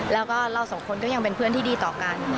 แล้วก็เราสองคนก็ยังเป็นเพื่อนที่ดีต่อกัน